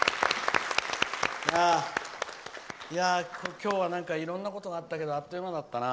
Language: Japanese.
今日はいろんなことがあったけどあっという間だったな。